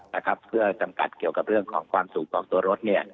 และก็ให้จำกัดเกี่ยวกับเรื่องความสูบของตัวรถ